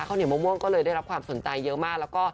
ข้าวเหนียวมะม่วงก็เลยได้รับความสนใจเยอะมากแล้วก็